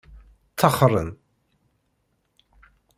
Ttaxren.